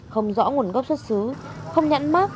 không rõ nguồn gốc xuất xứ không nhãn mát